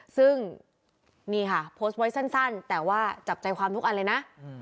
ซึ่งนี่ค่ะโพสต์ไว้สั้นแต่ว่าจับใจความทุกอันเลยนะ